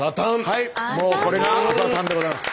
もうこれが「朝たん」でございます。